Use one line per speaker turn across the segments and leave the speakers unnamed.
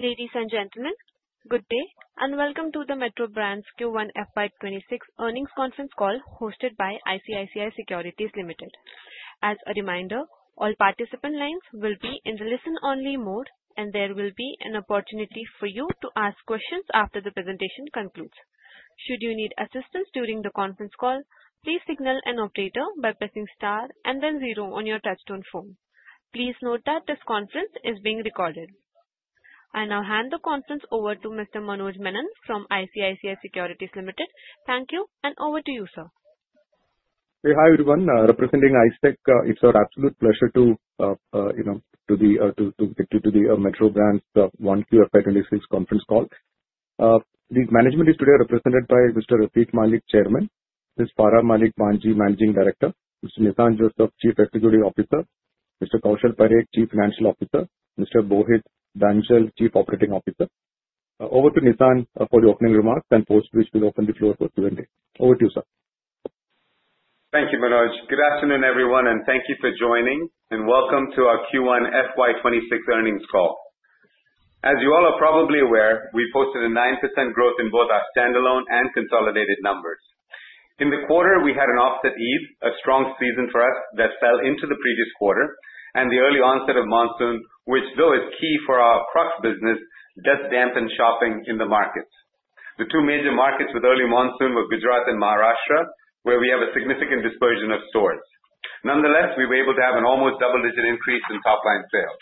Ladies and gentlemen, good day. Welcome to the Metro Brands Q1 FY 2026 earnings conference call hosted by ICICI Securities Limited. As a reminder, all participant lines will be in the listen only mode, and there will be an opportunity for you to ask questions after the presentation concludes. Should you need assistance during the conference call, please signal an operator by pressing star and then zero on your touchtone phone. Please note that this conference is being recorded. I now hand the conference over to Mr. Manoj Menon from ICICI Securities Limited. Thank you. Over to you, sir.
Hi, everyone. Representing ICICI, it's our absolute pleasure to take you to the Metro Brands 1Q FY 2026 conference call. The management is today represented by Mr. Rafique Malik, Chairman, Ms. Farah Malik Bhanji, Managing Director, Mr. Nissan Joseph, Chief Executive Officer, Mr. Kaushal Parekh, Chief Financial Officer, Mr. Mohit Dhanjal, Chief Operating Officer. Over to Nissan for the opening remarks post which we'll open the floor for Q&A. Over to you, sir.
Thank you, Manoj. Good afternoon, everyone. Thank you for joining. Welcome to our Q1 FY 2026 earnings call. As you all are probably aware, we posted a 9% growth in both our standalone and consolidated numbers. In the quarter, we had an offset Eid, a strong season for us that fell into the previous quarter, the early onset of monsoon, which though is key for our Crocs business, does dampen shopping in the markets. The two major markets with early monsoon were Gujarat and Maharashtra, where we have a significant dispersion of stores. Nonetheless, we were able to have an almost double-digit increase in top-line sales.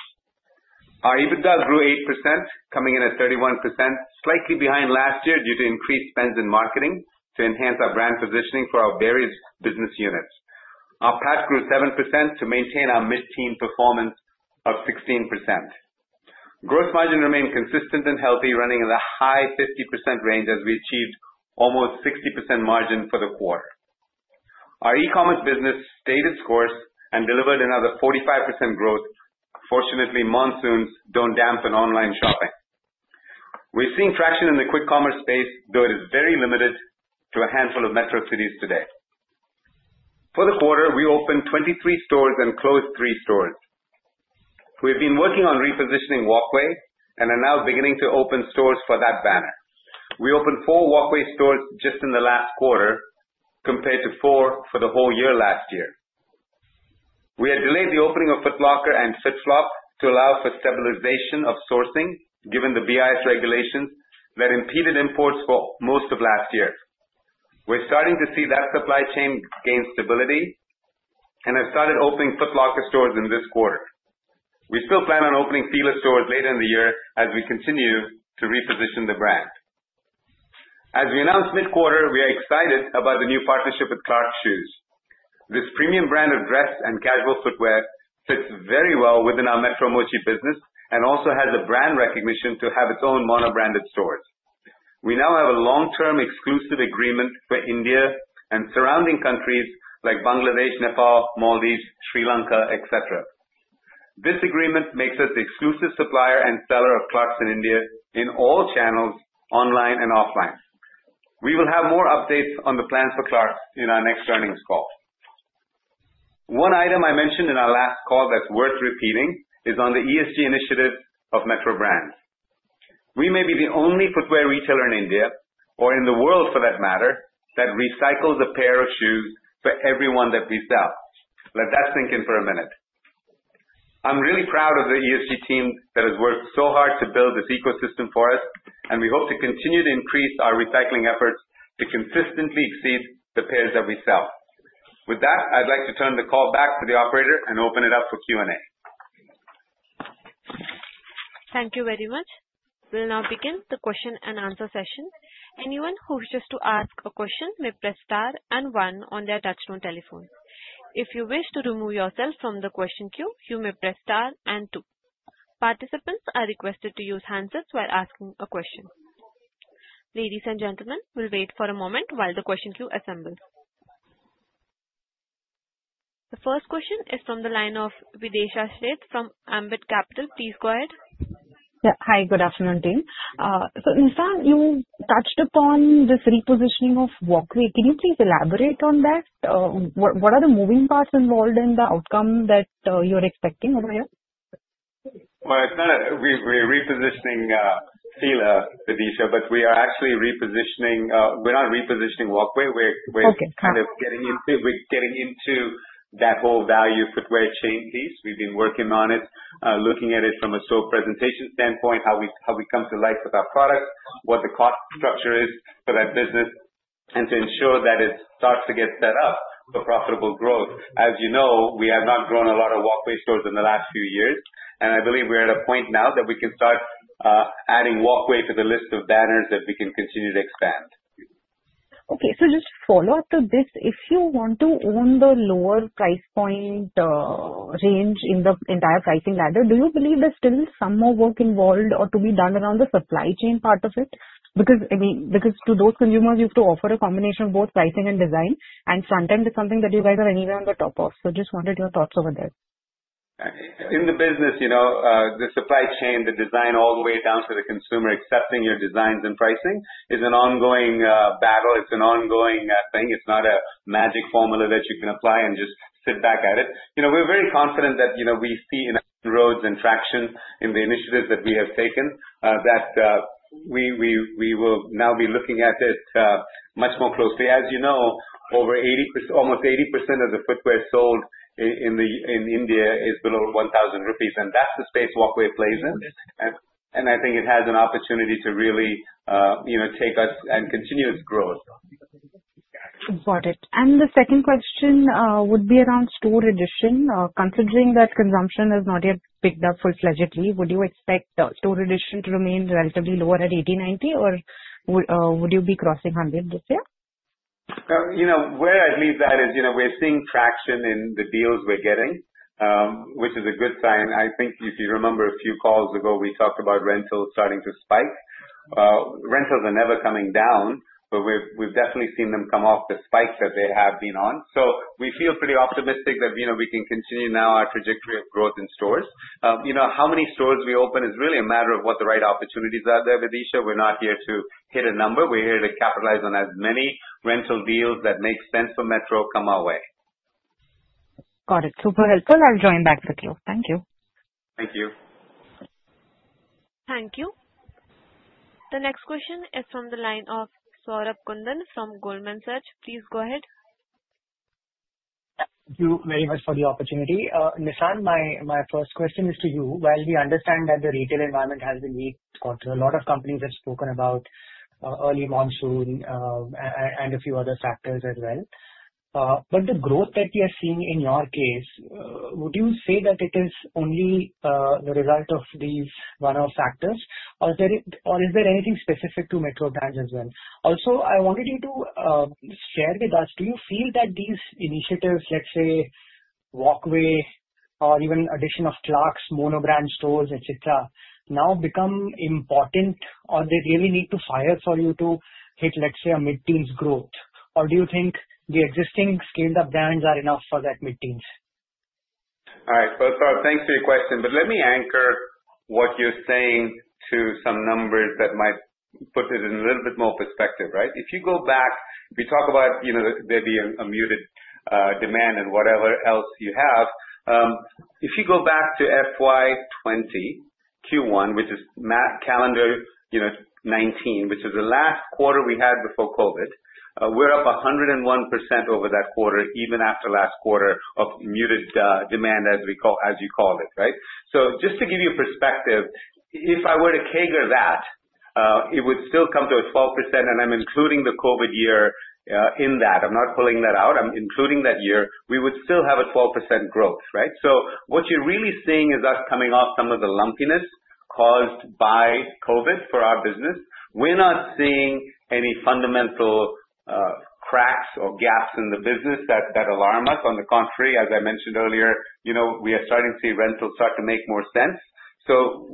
Our EBITDA grew 8%, coming in at 31%, slightly behind last year due to increased spends in marketing to enhance our brand positioning for our various business units. Our PAT grew 7% to maintain our mid-teen performance of 16%. Gross margin remained consistent and healthy, running in the high 50% range as we achieved almost 60% margin for the quarter. Our e-commerce business stayed its course delivered another 45% growth. Fortunately, monsoons don't dampen online shopping. We're seeing traction in the quick commerce space, though it is very limited to a handful of metro cities today. For the quarter, we opened 23 stores and closed three stores. We've been working on repositioning Walkway and are now beginning to open stores for that banner. We opened four Walkway stores just in the last quarter compared to four for the whole year last year. We had delayed the opening of Foot Locker and FitFlop to allow for stabilization of sourcing given the BIS regulations that impeded imports for most of last year. We're starting to see that supply chain gain stability and have started opening Foot Locker stores in this quarter. We still plan on opening Fila stores later in the year as we continue to reposition the brand. As we announced mid-quarter, we are excited about the new partnership with Clarks Shoes. This premium brand of dress and casual footwear fits very well within our Metro Mochi business and also has a brand recognition to have its own mono-branded stores. We now have a long-term exclusive agreement for India and surrounding countries like Bangladesh, Nepal, Maldives, Sri Lanka, et cetera. This agreement makes us the exclusive supplier and seller of Clarks in India in all channels, online and offline. We will have more updates on the plans for Clarks in our next earnings call. One item I mentioned in our last call that's worth repeating is on the ESG initiative of Metro Brands. We may be the only footwear retailer in India, or in the world for that matter, that recycles a pair of shoes for every one that we sell. Let that sink in for a minute. I'm really proud of the ESG team that has worked so hard to build this ecosystem for us, and we hope to continue to increase our recycling efforts to consistently exceed the pairs that we sell. With that, I'd like to turn the call back to the operator and open it up for Q&A.
Thank you very much. We'll now begin the question and answer session. Anyone who wishes to ask a question may press star and one on their touchtone telephone. If you wish to remove yourself from the question queue, you may press star and two. Participants are requested to use handsets while asking a question. Ladies and gentlemen, we'll wait for a moment while the question queue assembles. The first question is from the line of Videesha Sheth from Ambit Capital. Please go ahead.
Yeah. Hi, good afternoon, team. Nissan, you touched upon this repositioning of Walkway. Can you please elaborate on that? What are the moving parts involved in the outcome that you're expecting over here?
Well, we're repositioning Fila, Videesha, but we're not repositioning Walkway.
Okay.
We're getting into that whole value footwear chain piece. We've been working on it, looking at it from a sole presentation standpoint, how we come to life with our products, what the cost structure is for that business, and to ensure that it starts to get set up for profitable growth. As you know, we have not grown a lot of Walkway stores in the last few years. I believe we're at a point now that we can start adding Walkway to the list of banners that we can continue to expand.
Okay. Just follow up to this. If you want to own the lower price point range in the entire pricing ladder, do you believe there's still some more work involved or to be done around the supply chain part of it? Because to those consumers, you have to offer a combination of both pricing and design, and front end is something that you guys are anyway on the top of. Just wanted your thoughts over there.
In the business, the supply chain, the design, all the way down to the consumer accepting your designs and pricing is an ongoing battle. It's an ongoing thing. It's not a magic formula that you can apply and just sit back at it. We're very confident that we see roads and traction in the initiatives that we have taken, that we will now be looking at it much more closely. As you know, almost 80% of the footwear sold in India is below 1,000 rupees, and that's the space Walkway plays in. I think it has an opportunity to really take us and continue its growth.
Got it. The second question would be around store addition. Considering that consumption has not yet picked up full-fledged, would you expect store addition to remain relatively lower at 80-90, or would you be crossing 100 this year?
Where I'd leave that is, we're seeing traction in the deals we're getting, which is a good sign. I think if you remember a few calls ago, we talked about rentals starting to spike. Rentals are never coming down, but we've definitely seen them come off the spikes that they have been on. We feel pretty optimistic that we can continue now our trajectory of growth in stores. How many stores we open is really a matter of what the right opportunities are there, Videesha. We're not here to hit a number. We're here to capitalize on as many rental deals that make sense for Metro come our way.
Got it. Super helpful. I'll join back with you. Thank you.
Thank you.
Thank you. The next question is from the line of Saurabh Kundu from Goldman Sachs. Please go ahead.
Thank you very much for the opportunity. Nissan, my first question is to you. While we understand that the retail environment has been weak, a lot of companies have spoken about early monsoon and a few other factors as well. The growth that you are seeing in your case, would you say that it is only the result of these one-off factors, or is there anything specific to Metro Brands as well? I wanted you to share with us, do you feel that these initiatives, let's say Walkway, or even addition of Clarks mono brand stores, et cetera, now become important or they really need to fire for you to hit, let's say, a mid-teens growth? Do you think the existing scaled-up brands are enough for that mid-teens?
All right. Saurabh, thanks for your question. Let me anchor what you're saying to some numbers that might put it in a little bit more perspective, right? If you go back, we talk about maybe a muted demand and whatever else you have. If you go back to FY 2020 Q1, which is calendar 2019, which is the last quarter we had before COVID. We're up 101% over that quarter, even after last quarter of muted demand, as you called it, right? Just to give you perspective, if I were to CAGR that, it would still come to a 12%, and I'm including the COVID year in that. I'm not pulling that out. I'm including that year. We would still have a 12% growth, right? What you're really seeing is us coming off some of the lumpiness caused by COVID for our business. We're not seeing any fundamental cracks or gaps in the business that alarm us. On the contrary, as I mentioned earlier, we are starting to see rentals start to make more sense.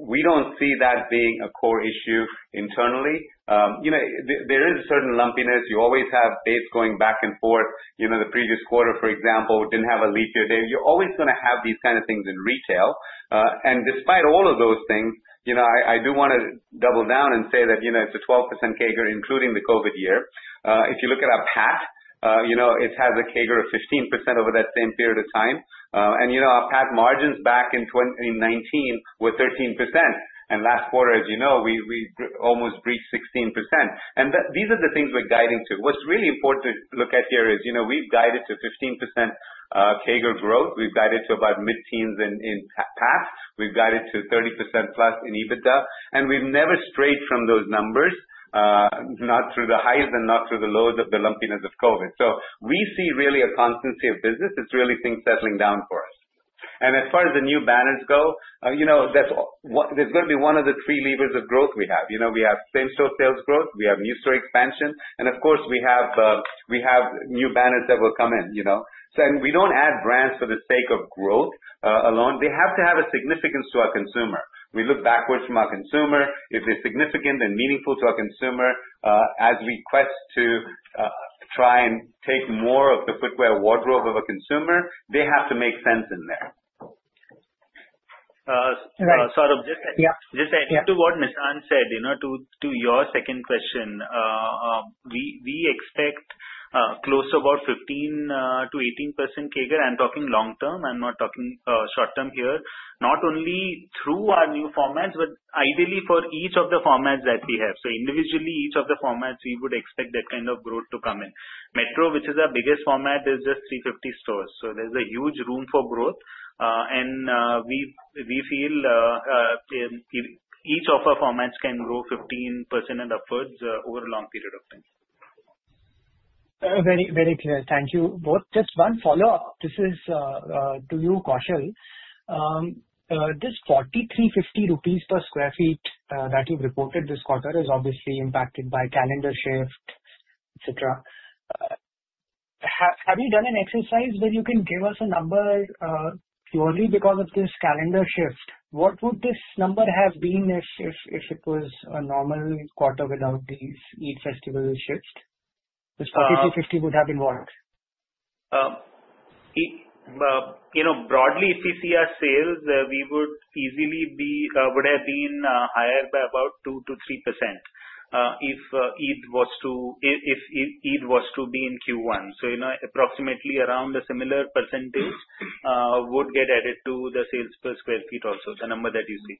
We don't see that being a core issue internally. There is a certain lumpiness. You always have dates going back and forth. The previous quarter, for example, didn't have a leap year day. You're always going to have these kind of things in retail. Despite all of those things, I do want to double down and say that it's a 12% CAGR, including the COVID year. If you look at our PAT, it has a CAGR of 15% over that same period of time. Our PAT margins back in '19 were 13%. Last quarter, as you know, we almost reached 16%. These are the things we're guiding to. What's really important to look at here is, we've guided to 15% CAGR growth. We've guided to about mid-teens in PAT. We've guided to 30%+ in EBITDA. We've never strayed from those numbers, not through the highs and not through the lows of the lumpiness of COVID. We see really a constancy of business. It's really things settling down for us. As far as the new banners go, that's going to be one of the three levers of growth we have. We have same-store sales growth, we have new store expansion, and of course, we have new banners that will come in. We don't add brands for the sake of growth alone. They have to have a significance to our consumer. We look backwards from our consumer. If they're significant and meaningful to our consumer as we quest to try and take more of the footwear wardrobe of a consumer, they have to make sense in there.
Right.
Saurabh-
Yeah.
Just adding to what Nissan said, to your second question, we expect close to about 15%-18% CAGR. I'm talking long-term, I'm not talking short-term here. Not only through our new formats, but ideally for each of the formats that we have. Individually, each of the formats, we would expect that kind of growth to come in. Metro, which is our biggest format, is just 350 stores. There's a huge room for growth. We feel each of our formats can grow 15% and upwards over a long period of time.
Very clear. Thank you both. Just one follow-up. This is to you, Kaushal. This 4,350 rupees per square feet that you've reported this quarter is obviously impacted by calendar shift, et cetera. Have you done an exercise where you can give us a number purely because of this calendar shift? What would this number have been if it was a normal quarter without these Eid festival shifts? This 4,350 would have been what?
Broadly, CCR sales, we would easily would have been higher by about 2% to 3% if Eid was to be in Q1. Approximately around a similar percentage would get added to the sales per square feet also, the number that you see.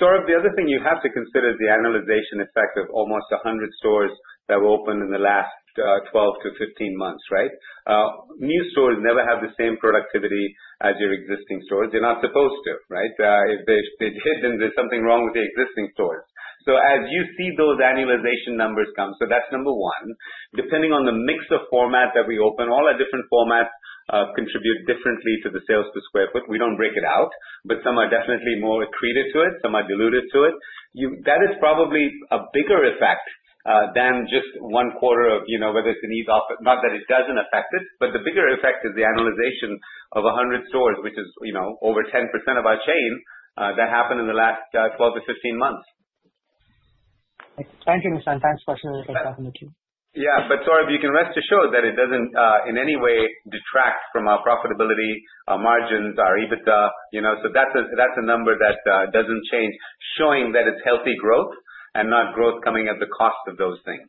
Saurabh, the other thing you have to consider is the annualization effect of almost 100 stores that were opened in the last 12 to 15 months, right? New stores never have the same productivity as your existing stores. They're not supposed to, right? If they did, then there's something wrong with the existing stores. As you see those annualization numbers come, that's number one, depending on the mix of format that we open, all our different formats contribute differently to the sales per square foot. We don't break it out, but some are definitely more accretive to it, some are dilutive to it. That is probably a bigger effect than just one quarter of, whether it's an Eid offer, not that it doesn't affect it, but the bigger effect is the annualization of 100 stores, which is over 10% of our chain, that happened in the last 12 to 15 months.
Thank you, Nissan. Thanks for sharing that information.
Saurabh, you can rest assured that it doesn't, in any way, detract from our profitability, our margins, our EBITDA. That's a number that doesn't change, showing that it's healthy growth and not growth coming at the cost of those things.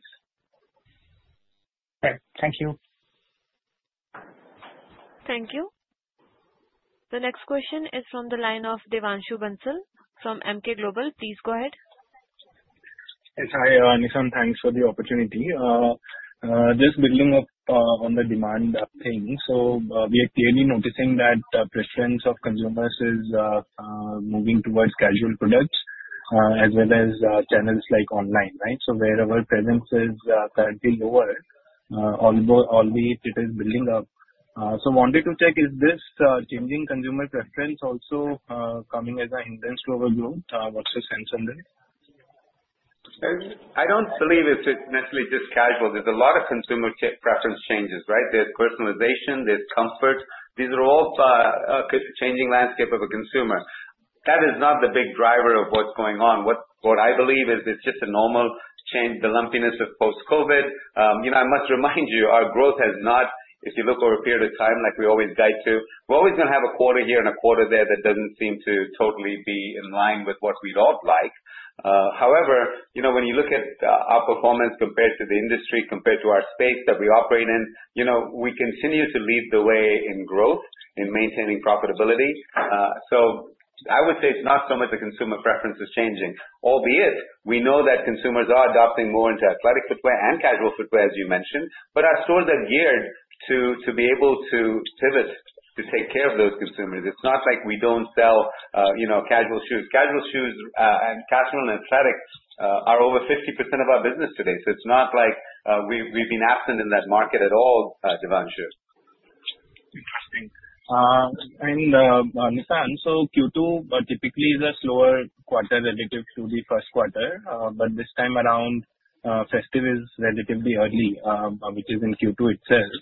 Okay. Thank you.
Thank you. The next question is from the line of Devanshu Bansal from Emkay Global. Please go ahead.
Yes. Hi, Nissan. Thanks for the opportunity. We are clearly noticing that preference of consumers is moving towards casual products as well as channels like online, right? Wherever presence is currently lower, albeit it is building up. Wanted to check, is this changing consumer preference also coming as a hindrance to overall growth? What's your sense on this?
I don't believe it's necessarily just casual. There's a lot of consumer preference changes, right? There's personalization, there's comfort. These are all changing landscape of a consumer. That is not the big driver of what's going on. What I believe is it's just a normal change, the lumpiness of post-COVID. I must remind you, our growth has not, if you look over a period of time like we always guide to, we're always going to have a quarter here and a quarter there that doesn't seem to totally be in line with what we'd all like. However, when you look at our performance compared to the industry, compared to our space that we operate in, we continue to lead the way in growth, in maintaining profitability. I would say it's not so much the consumer preference is changing, albeit we know that consumers are adopting more into athletic footwear and casual footwear, as you mentioned. Our stores are geared to be able to pivot to take care of those consumers. It's not like we don't sell casual shoes. Casual shoes and casual and athletics are over 50% of our business today. It's not like we've been absent in that market at all, Devanshu.
Interesting. Nisan, Q2 typically is a slower quarter relative to the first quarter. This time around, festive is relatively early, which is in Q2 itself.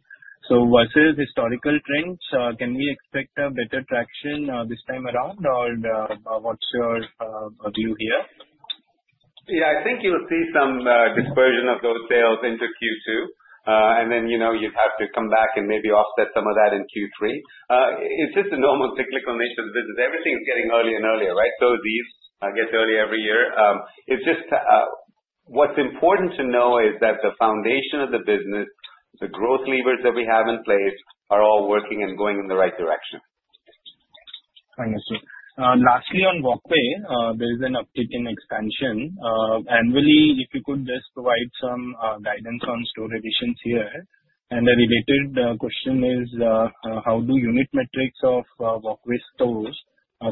Versus historical trends, can we expect a better traction this time around? Or what's your view here?
You'll see some dispersion of those sales into Q2. Then you'd have to come back and maybe offset some of that in Q3. It's just a normal cyclical nature of the business. Everything's getting earlier and earlier, right? Eid gets earlier every year. What's important to know is that the foundation of the business, the growth levers that we have in place, are all working and going in the right direction.
Understood. Lastly, on Walkway, there is an uptick in expansion. Annually, if you could just provide some guidance on store additions here. A related question is, how do unit metrics of Walkway stores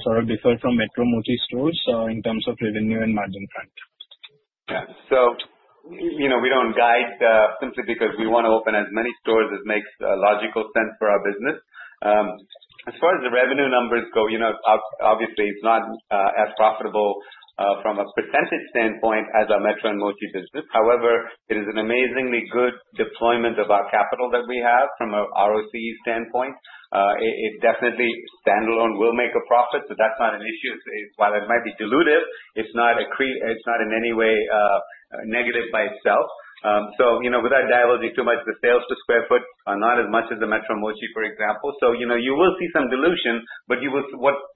sort of differ from Metro Mochi stores in terms of revenue and margin front?
We don't guide simply because we want to open as many stores that makes logical sense for our business. As far as the revenue numbers go, obviously it's not as profitable from a percentage standpoint as our Metro and Mochi business. However, it is an amazingly good deployment of our capital that we have from a ROC standpoint. It definitely standalone will make a profit, so that's not an issue. While it might be dilutive, it's not in any way negative by itself. With that, diluting too much the sales to square foot are not as much as the Metro Mochi, for example. You will see some dilution, but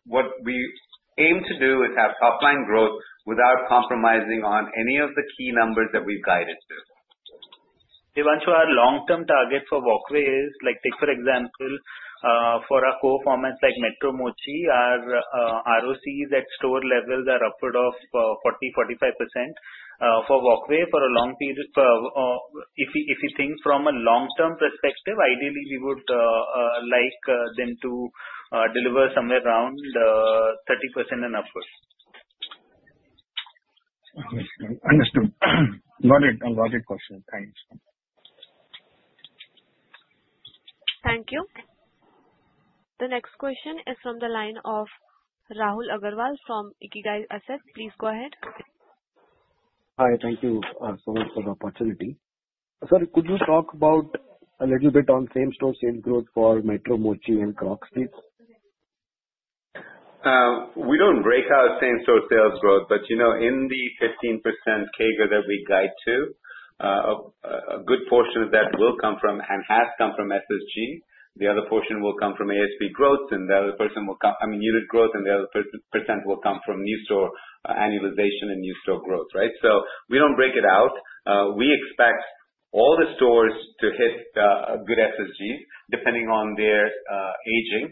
what we aim to do is have top-line growth without compromising on any of the key numbers that we've guided to.
Devanshu, our long-term target for Walkway is, like take for example, for our core formats like Metro Mochi, our ROCs at store levels are upward of 40%-45%. For Walkway, if you think from a long-term perspective, ideally we would like them to deliver somewhere around 30% and upwards.
Understood. Got it. Got it. Question. Thanks.
Thank you. The next question is from the line of Rahul Agarwal from Ikigai Asset Manager. Please go ahead.
Hi. Thank you so much for the opportunity. Sir, could you talk about a little bit on same-store sales growth for Metro Mochi and Crocs please?
We don't break out same-store sales growth, but in the 15% CAGR that we guide to, a good portion of that will come from and has come from SSG. The other portion will come from ASV growth, I mean unit growth, and the other % will come from new store annualization and new store growth, right? We don't break it out. We expect all the stores to hit a good SSG depending on their aging.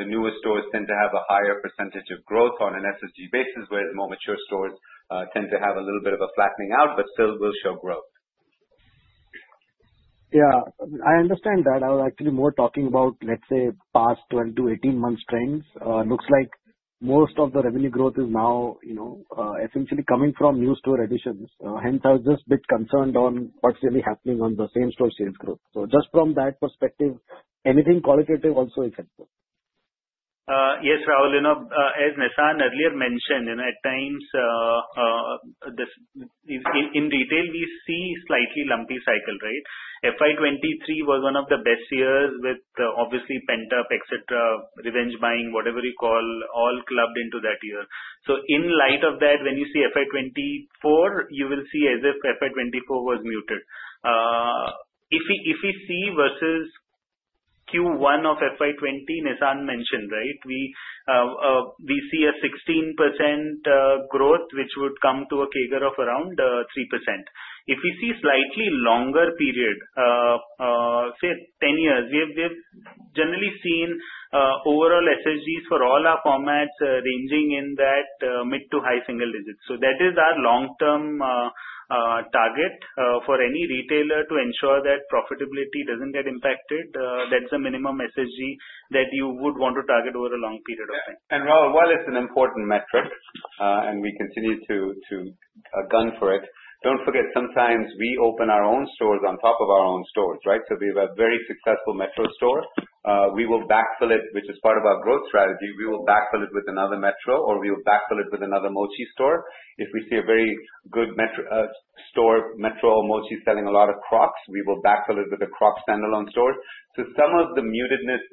The newer stores tend to have a higher % of growth on an SSG basis, whereas more mature stores tend to have a little bit of a flattening out, but still will show growth.
Yeah, I understand that. I was actually more talking about, let's say, past 12-18 months trends. Looks like most of the revenue growth is now essentially coming from new store additions. Hence, I was just a bit concerned on what's really happening on the Same-Store Sales Growth. Just from that perspective, anything qualitative also is helpful.
Yes, Rahul, as Nissan earlier mentioned, at times, in retail, we see slightly lumpy cycle, right? FY 2023 was one of the best years with obviously pent up, et cetera, revenge buying, whatever you call, all clubbed into that year. In light of that, when you see FY 2024, you will see as if FY 2024 was muted. If we see versus Q1 of FY 2020, Nissan mentioned, right? We see a 16% growth which would come to a CAGR of around 3%. If we see slightly longer period, say 10 years, we've generally seen overall SSGs for all our formats ranging in that mid to high single digits. That is our long-term target for any retailer to ensure that profitability doesn't get impacted. That's a minimum SSG that you would want to target over a long period of time.
Rahul, while it's an important metric, and we continue to gun for it, don't forget, sometimes we open our own stores on top of our own stores, right? We have a very successful Metro store. We will backfill it, which is part of our growth strategy. We will backfill it with another Metro, or we will backfill it with another Mochi store. If we see a very good Metro store, Metro or Mochi selling a lot of Crocs, we will backfill it with a Crocs standalone store. Some of the mutedness,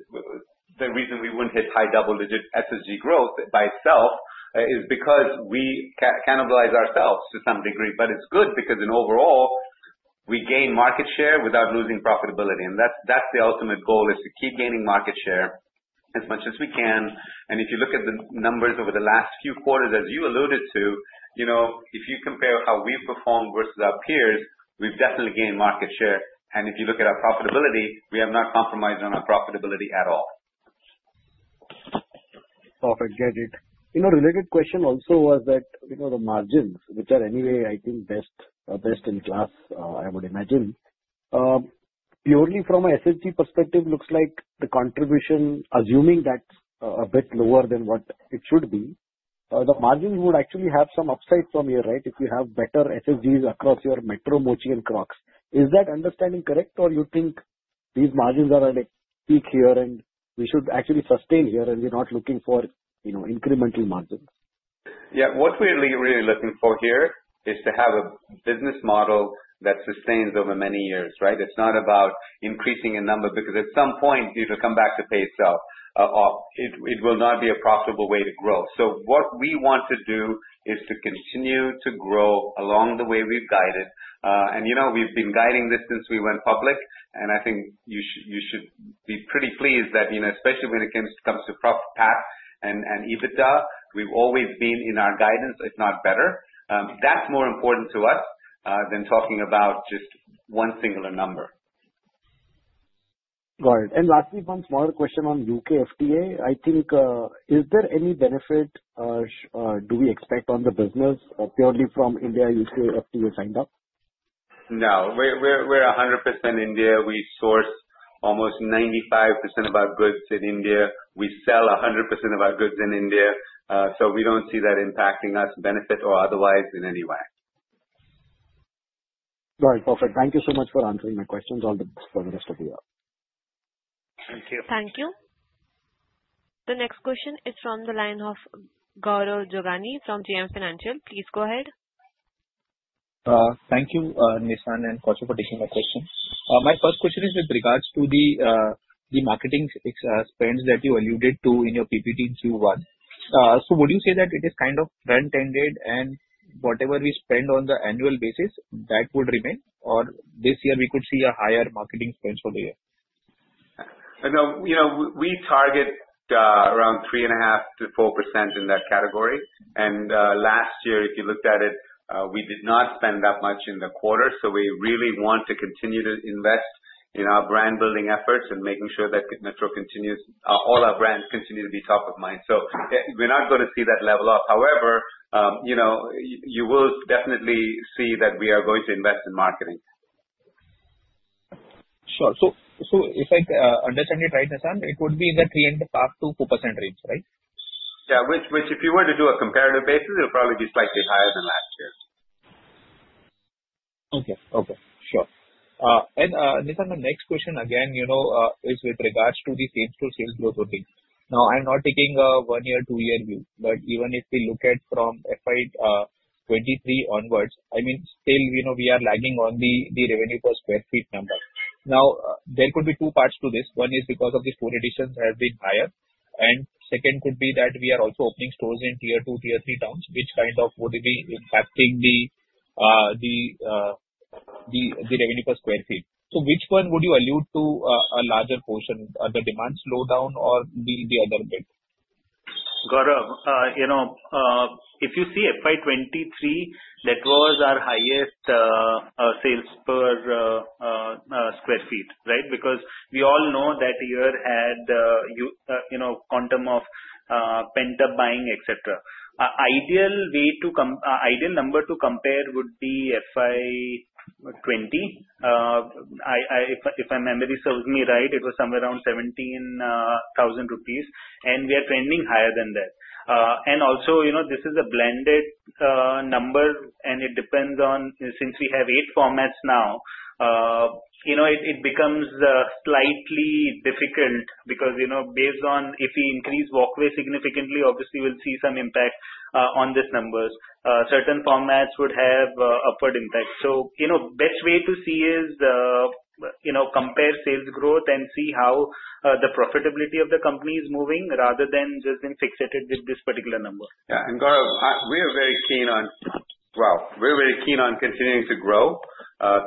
the reason we wouldn't hit high double-digit SSG growth by itself is because we cannibalize ourselves to some degree. It's good because in overall, we gain market share without losing profitability. That's the ultimate goal, is to keep gaining market share as much as we can. If you look at the numbers over the last few quarters, as you alluded to, if you compare how we've performed versus our peers, we've definitely gained market share. If you look at our profitability, we have not compromised on our profitability at all.
Perfect. Get it. Related question also was that the margins, which are anyway, I think best in class, I would imagine. Purely from an SSG perspective, looks like the contribution, assuming that's a bit lower than what it should be, the margins would actually have some upside from here, right? If you have better SSGs across your Metro, Mochi and Crocs. Is that understanding correct, or you think these margins are at a peak here and we should actually sustain here and we're not looking for incremental margins?
Yeah. What we're really looking for here is to have a business model that sustains over many years, right? It's not about increasing a number, because at some point it'll come back to pay itself off. It will not be a profitable way to grow. What we want to do is to continue to grow along the way we've guided. We've been guiding this since we went public, and I think you should be pretty pleased that, especially when it comes to profit PAT and EBITDA, we've always been in our guidance, if not better. That's more important to us than talking about just one singular number.
Got it. Lastly, one small question on UKFTA. Is there any benefit do we expect on the business purely from India-UKFTA signed up?
No. We're 100% India. We source almost 95% of our goods in India. We sell 100% of our goods in India. We don't see that impacting us, benefit or otherwise, in any way.
Right. Perfect. Thank you so much for answering my questions. All the best for the rest of the year.
Thank you.
Thank you. The next question is from the line of Gaurav Jogani from JM Financial. Please go ahead.
Thank you, Nissan and Kaushal, for taking my questions. My first question is with regards to the marketing spends that you alluded to in your PPT in Q1. Would you say that it is kind of front-ended and whatever we spend on the annual basis, that would remain? This year we could see a higher marketing spends for the year?
We target around 3.5%-4% in that category. Last year, if you looked at it, we did not spend that much in the quarter. We really want to continue to invest in our brand building efforts and making sure that all our brands continue to be top of mind. We're not going to see that level up. However, you will definitely see that we are going to invest in marketing.
Sure. If I understand it right, Nissan, it would be in the 3.5%-4% range, right?
Yeah. Which if you were to do a comparative basis, it would probably be slightly higher than last year.
Okay. Sure. Nissan, the next question again, is with regards to the same-store sales growth only. Now, I'm not taking a one-year, two-year view, but even if we look at from FY 2023 onwards, I mean, still we are lagging on the revenue per square feet number. Now, there could be two parts to this. One is because of the store additions have been higher, and second could be that we are also opening stores in tier 2, tier 3 towns, which would be impacting the revenue per square feet. Which one would you allude to a larger portion, the demand slowdown or the other bit?
Gaurav, if you see FY 2023, that was our highest sales per square feet, right? Because we all know that year had a quantum of pent-up buying, et cetera. Ideal number to compare would be FY 2020. If my memory serves me right, it was somewhere around 17,000 rupees, and we are trending higher than that. This is a blended number, and it depends on, since we have eight formats now, it becomes slightly difficult because, based on if we increase Walkway significantly, obviously we'll see some impact on these numbers. Certain formats would have upward impact. Best way to see is compare sales growth and see how the profitability of the company is moving rather than just being fixated with this particular number.
Yeah. Gaurav, we are very keen on continuing to grow,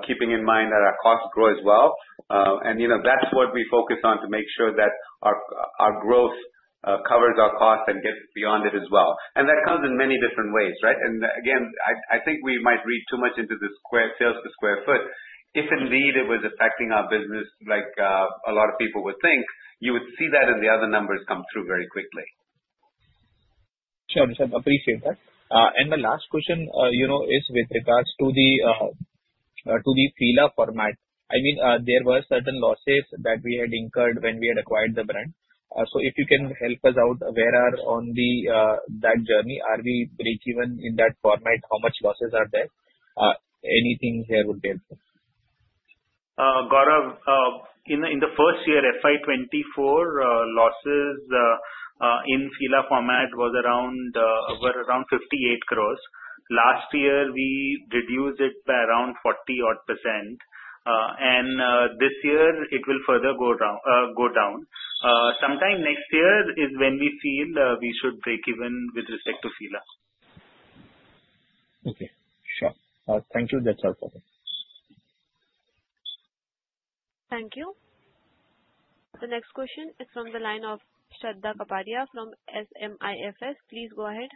keeping in mind that our costs grow as well. That's what we focus on to make sure that our growth covers our costs and gets beyond it as well. That comes in many different ways, right? Again, I think we might read too much into the sales per square foot. If indeed it was affecting our business like a lot of people would think, you would see that in the other numbers come through very quickly.
Sure. Appreciate that. The last question is with regards to the Fila format. There were certain losses that we had incurred when we had acquired the brand. If you can help us out, where are we on that journey? Are we breakeven in that format? How much losses are there? Anything here would help us.
Gaurav, in the first year, FY 2024, losses in Fila format were around 58 crore. Last year, we reduced it by around 40 odd %. This year it will further go down. Sometime next year is when we feel we should break even with respect to Fila.
Okay, sure. Thank you. That's helpful.
Thank you. The next question is from the line of Shraddha Kapadia from SMIFS. Please go ahead.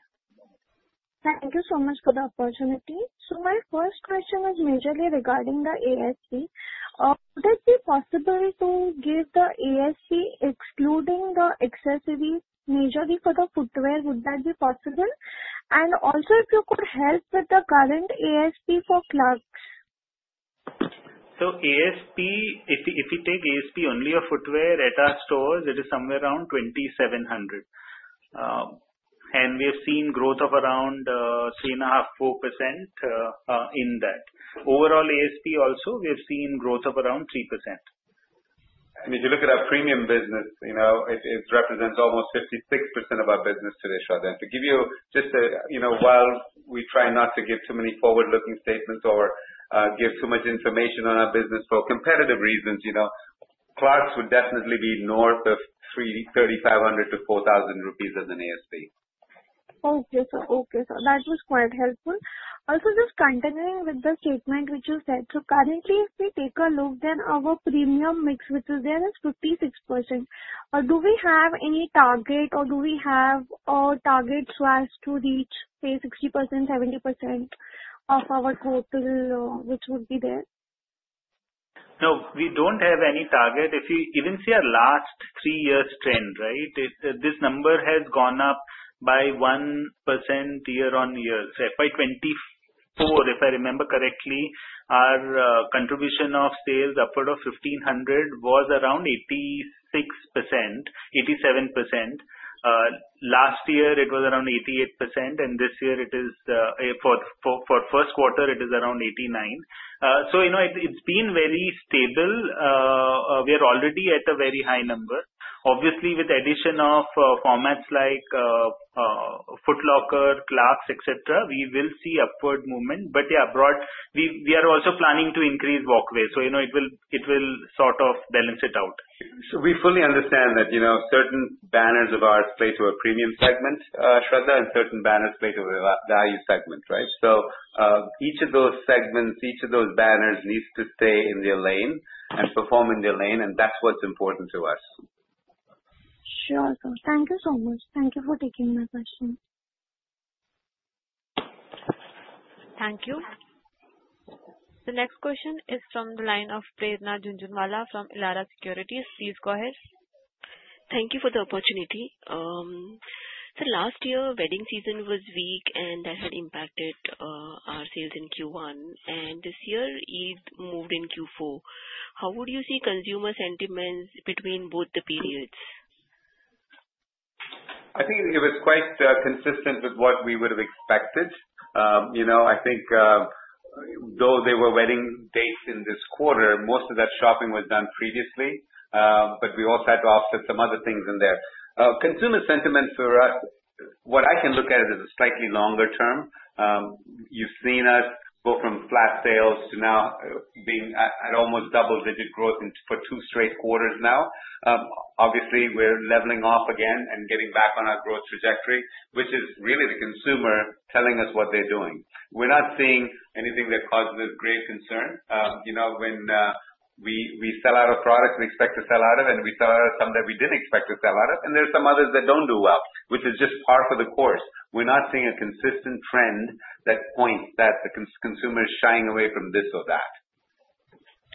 Thank you so much for the opportunity. My first question is majorly regarding the ASP. Would it be possible to give the ASP excluding the accessories, majorly for the footwear, would that be possible? Also, if you could help with the current ASP for Clarks.
ASP, if you take ASP only of footwear at our stores, it is somewhere around 2,700. We have seen growth of around 3.5%-4% in that. Overall ASP also, we have seen growth of around 3%.
If you look at our premium business, it represents almost 56% of our business today, Shraddha. While we try not to give too many forward-looking statements or give too much information on our business for competitive reasons, Clarks would definitely be north of 3,500-4,000 rupees as an ASP.
Okay, sir. That was quite helpful. Also, just continuing with the statement which you said. Currently, if we take a look, then our premium mix, which is there, is 56%. Do we have any target, or do we have a target so as to reach, say, 60%-70% of our total, which would be there?
We don't have any target. If you even see our last three years trend, right? This number has gone up by 1% year-over-year. FY 2024, if I remember correctly, our contribution of sales upward of 1,500 was around 86%-87%. Last year it was around 88%, and this year, for first quarter, it is around 89. It's been very stable. We are already at a very high number. Obviously, with addition of formats like Foot Locker, Clarks, et cetera, we will see upward movement. We are also planning to increase Walkway, so it will sort of balance it out.
We fully understand that certain banners of ours play to a premium segment, Shraddha, and certain banners play to a value segment, right? Each of those segments, each of those banners needs to stay in their lane and perform in their lane, and that's what's important to us.
Sure, sir. Thank you so much. Thank you for taking my question.
Thank you. The next question is from the line of Prerna Jhunjhunwala from Elara Capital. Please go ahead.
Thank you for the opportunity. Sir, last year, wedding season was weak, that had impacted our sales in Q1. This year, Eid moved in Q4. How would you see consumer sentiments between both the periods?
I think it was quite consistent with what we would have expected. Though they were wedding dates in this quarter, most of that shopping was done previously. We also had to offset some other things in there. Consumer sentiment for us, what I can look at is as a slightly longer term. You've seen us go from flat sales to now being at an almost double-digit growth for two straight quarters now. Obviously, we're leveling off again and getting back on our growth trajectory, which is really the consumer telling us what they're doing. We're not seeing anything that causes great concern. When we sell out of products we expect to sell out of, and we sell out of some that we didn't expect to sell out of, and there are some others that don't do well, which is just par for the course. We're not seeing a consistent trend that points that the consumer is shying away from this or that.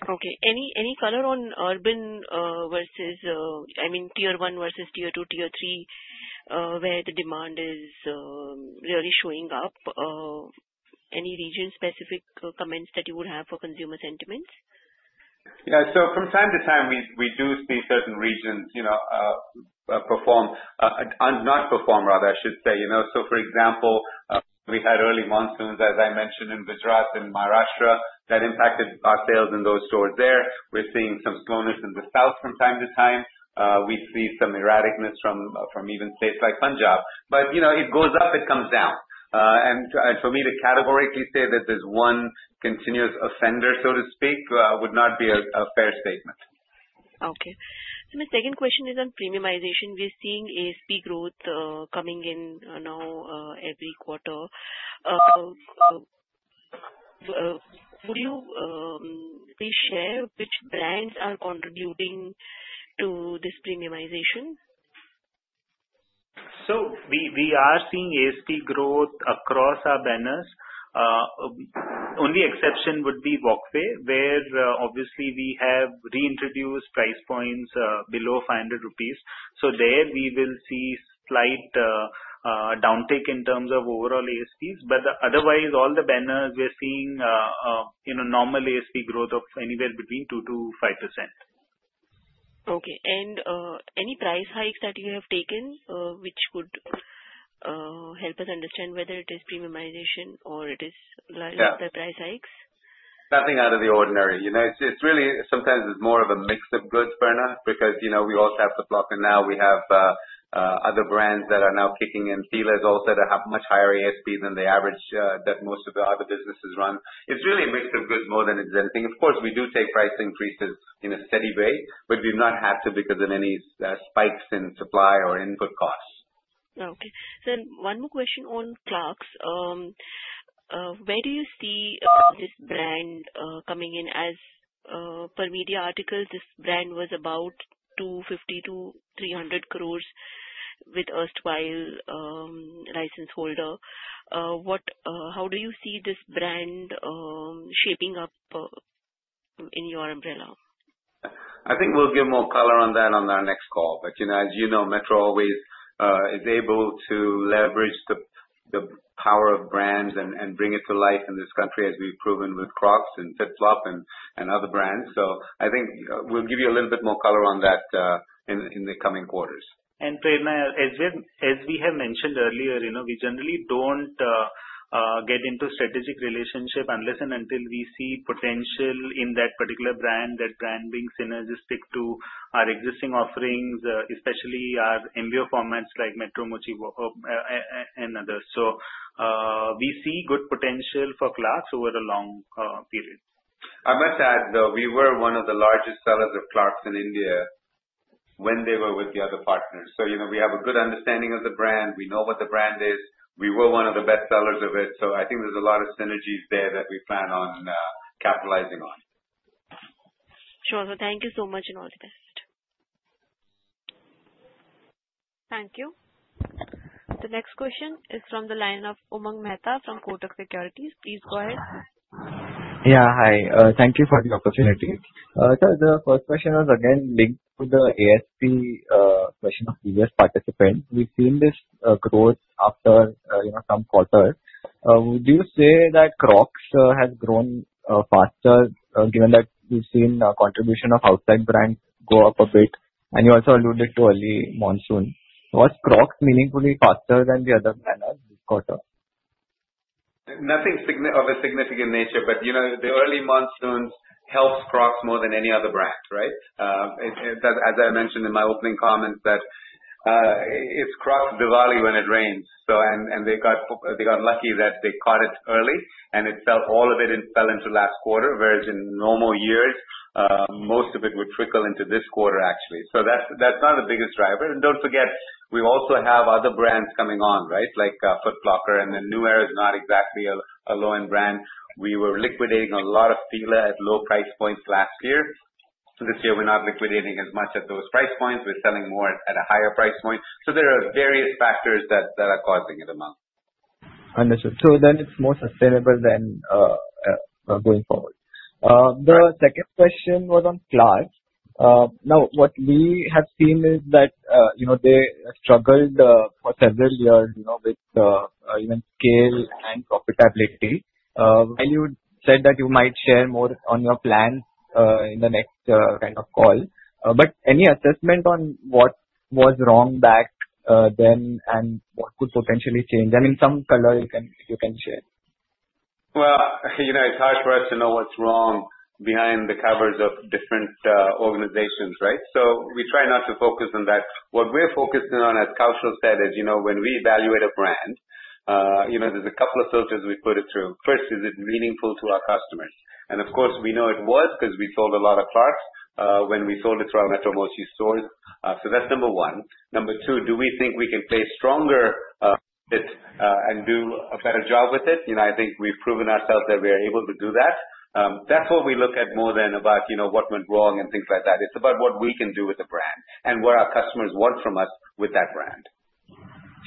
Okay. Any color on urban versus I mean, tier 1 versus tier 2, tier 3, where the demand is really showing up? Any region-specific comments that you would have for consumer sentiments?
Yeah. From time to time, we do see certain regions not perform, rather, I should say. For example, we had early monsoons, as I mentioned, in Gujarat and Maharashtra that impacted our sales in those stores there. We're seeing some slowness in the South from time to time. We see some erraticness from even states like Punjab. It goes up, it comes down. For me to categorically say that there's one continuous offender, so to speak, would not be a fair statement.
Okay. Sir, my second question is on premiumization. We're seeing ASP growth coming in now every quarter. Would you please share which brands are contributing to this premiumization?
We are seeing ASP growth across our banners. Only exception would be Walkway, where obviously we have reintroduced price points below 500 rupees. There we will see slight downtick in terms of overall ASPs. Otherwise, all the banners we are seeing a normal ASP growth of anywhere between 2%-5%.
Okay. Any price hikes that you have taken, which would help us understand whether it is premiumization or it is the price hikes?
Nothing out of the ordinary. It's really sometimes it's more of a mix of goods, Prerna, because we also have Foot Locker now. We have other brands that are now kicking in. Fila is also to have much higher ASP than the average that most of the other businesses run. It's really a mix of goods more than anything. Of course, we do take price increases in a steady way, but we've not had to because of any spikes in supply or input costs.
Okay. Sir, one more question on Clarks. Where do you see this brand coming in? As per media articles, this brand was about 250 crore-300 crore with erstwhile license holder. How do you see this brand shaping up in your umbrella?
I think we'll give more color on that on our next call. As you know, Metro always is able to leverage the power of brands and bring it to life in this country, as we've proven with Crocs and FitFlop and other brands. I think we'll give you a little bit more color on that in the coming quarters.
Prerna, as we have mentioned earlier, we generally don't get into strategic relationship unless and until we see potential in that particular brand, that brand being synergistic to our existing offerings, especially our MBO formats like Metro Mochi and others. We see good potential for Clarks over a long period.
I must add, though, we were one of the largest sellers of Clarks in India when they were with the other partners. We have a good understanding of the brand. We know what the brand is. We were one of the best sellers of it, I think there's a lot of synergies there that we plan on capitalizing on.
Sure. Thank you so much, all the best.
Thank you. The next question is from the line of Umang Mehta from Kotak Securities. Please go ahead.
Yeah, hi. Thank you for the opportunity. Sir, the first question was again linked to the ASP question of previous participant. We've seen this growth after some quarters. Would you say that Crocs has grown faster, given that we've seen contribution of outside brands go up a bit, and you also alluded to early monsoon. Was Crocs meaningfully faster than the other banners this quarter?
The early monsoons helps Crocs more than any other brand, right? As I mentioned in my opening comments, that it's Crocs Diwali when it rains. They got lucky that they caught it early, and all of it fell into last quarter, whereas in normal years, most of it would trickle into this quarter, actually. That's not the biggest driver. Don't forget, we also have other brands coming on, right? Like Foot Locker, and then New Era is not exactly a low-end brand. We were liquidating a lot of Fila at low price points last year. This year, we're not liquidating as much at those price points. We're selling more at a higher price point. There are various factors that are causing it amount.
Understood. It's more sustainable then going forward. The second question was on Clarks. Now, what we have seen is that they struggled for several years with even scale and profitability. While you said that you might share more on your plan in the next call, any assessment on what was wrong back then, and what could potentially change? In some color you can share.
It's hard for us to know what's wrong behind the covers of different organizations, right? We try not to focus on that. What we're focusing on at cultural side is when we evaluate a brand, there's a couple of filters we put it through. First, is it meaningful to our customers? And of course, we know it was because we sold a lot of Clarks when we sold it through our Metro Mochi stores. That's number one. Number two, do we think we can play stronger and do a better job with it? I think we've proven ourselves that we are able to do that. That's what we look at more than about what went wrong and things like that. It's about what we can do with the brand and what our customers want from us with that brand.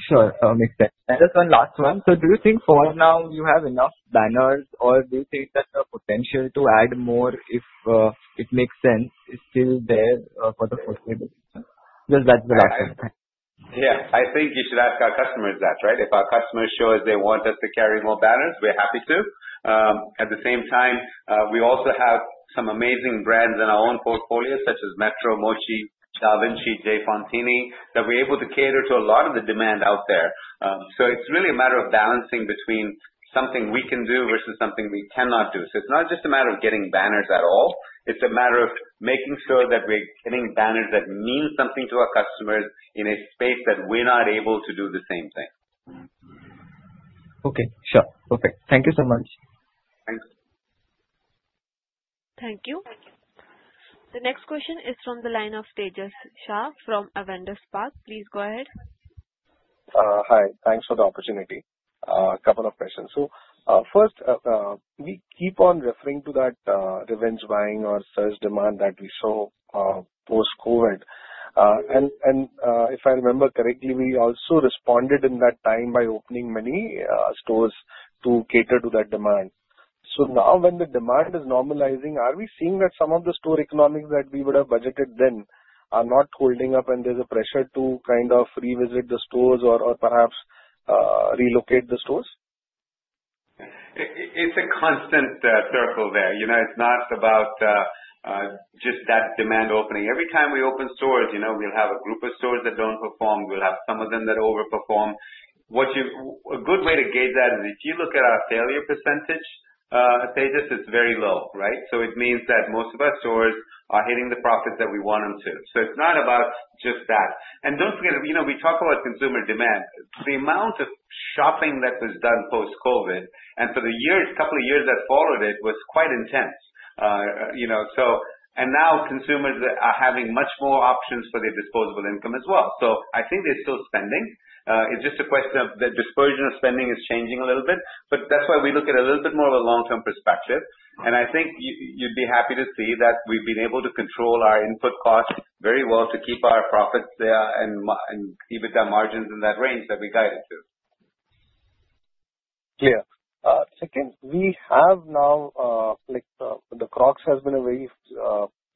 Sure. Makes sense. Just one last one. Do you think for now you have enough banners, or do you think that the potential to add more, if it makes sense, is still there for the foreseeable future? Just that direction.
I think you should ask our customers that, right? If our customers show us they want us to carry more banners, we're happy to. At the same time, we also have some amazing brands in our own portfolio, such as Metro Mochi, Davinchi, J. Fontini, that we're able to cater to a lot of the demand out there. It's really a matter of balancing between something we can do versus something we cannot do. It's not just a matter of getting banners at all. It's a matter of making sure that we're getting banners that mean something to our customers in a space that we're not able to do the same thing.
Sure. Perfect. Thank you so much.
Thanks.
Thank you. The next question is from the line of Tejas Shah from Avendus Spark. Please go ahead.
Hi. Thanks for the opportunity. A couple of questions. First, we keep on referring to that revenge buying or surge demand that we saw post-COVID. If I remember correctly, we also responded in that time by opening many stores to cater to that demand. Now when the demand is normalizing, are we seeing that some of the store economics that we would have budgeted then are not holding up and there's a pressure to kind of revisit the stores or perhaps relocate the stores?
It's a constant circle there. It's not about just that demand opening. Every time we open stores, we'll have a group of stores that don't perform. We'll have some of them that overperform. A good way to gauge that is if you look at our failure %, Tejas, it's very low, right? It means that most of our stores are hitting the profits that we want them to. It's not about just that. Don't forget, we talk about consumer demand. The amount of shopping that was done post-COVID, and for the couple of years that followed it, was quite intense. Now consumers are having much more options for their disposable income as well. I think they're still spending. It's just a question of the dispersion of spending is changing a little bit, that's why we look at a little bit more of a long-term perspective. I think you'd be happy to see that we've been able to control our input costs very well to keep our profits there and keep it our margins in that range that we guided to.
Clear. Second, we have now, the Crocs has been a very